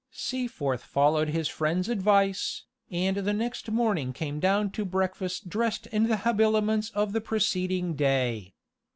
Seaforth followed his friend's advice, and the next morning came down to breakfast dressed in the habiliments of the preceding day.